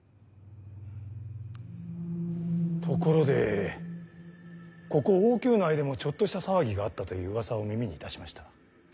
ところでここ王宮内でもちょっとした騒ぎがあったという噂を耳にいたしました。